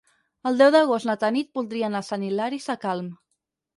El deu d'agost na Tanit voldria anar a Sant Hilari Sacalm.